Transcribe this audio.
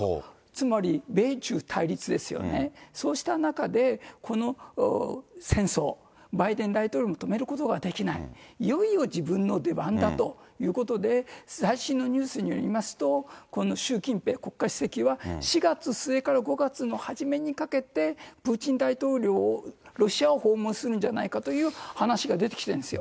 つまり、米中対立ですよね、そうした中で、この戦争、バイデン大統領も止めることができない、いよいよ自分の出番だということで、最新のニュースによりますと、この習近平国家主席は、４月末から５月の初めにかけて、プーチン大統領を、ロシアを訪問するんじゃないかという話が出てきてるんですよ。